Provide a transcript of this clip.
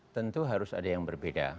tentu harus ada yang berbeda